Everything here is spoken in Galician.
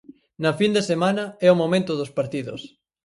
Na fin de semana é o momento dos partidos.